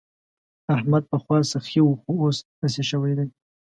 احمد پخوا سخي وو خو اوس اسي شوی دی.